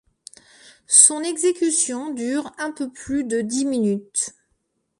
Son exécution dure un peu plus de dix minutes.